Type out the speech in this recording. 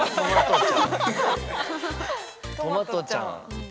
トマトちゃん。